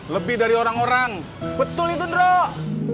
lebih dari orang orang betul itu dro